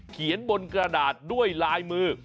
เขียนบนกระดาษด้วยลายมือ